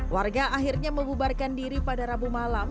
warga akhirnya membubarkan diri pada rabu malam